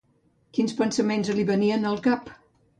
Quins pensaments li venien al cap?